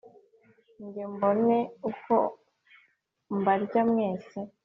nge mbone uko mbarya mwese